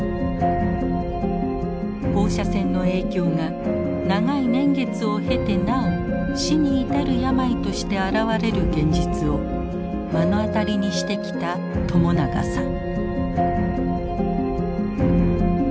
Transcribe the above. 放射線の影響が長い年月を経てなお死に至る病として現れる現実を目の当たりにしてきた朝長さん。